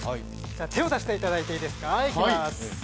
手を出していただいていいですか。